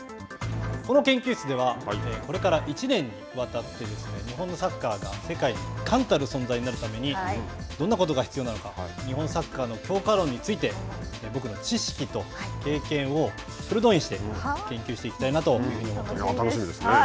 この研究室ではこれから１年にわたって世界に冠たる存在になるためどんなことが必要なのか日本サッカーの強化論について僕の知識と経験をフル動員して研究していきたいなと思っています。